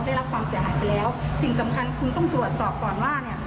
ได้รับความเสียหายไปแล้วสิ่งสำคัญคุณต้องตรวจสอบก่อนว่าเนี่ย